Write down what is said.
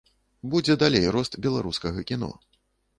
Будзе далей рост беларускага кіно.